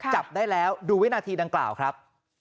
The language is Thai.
จับได้แล้วดูวินาทีดังกล่าวครับ